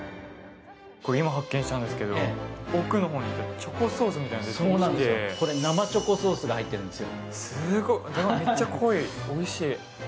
今発見したんですけど、チョコソースみたいのが来て、これ、生チョコソースが入っているんですよ。